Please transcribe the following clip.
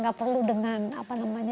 gak perlu dengan apa namanya